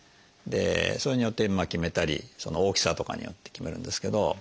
それによって決めたり大きさとかによって決めるんですけど。